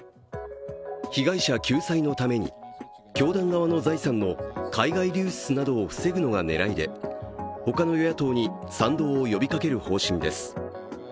被害者救済のために教団側の財産の海外流出などを防ぐのが狙いで、他の与野党に賛同を呼びかける方針です。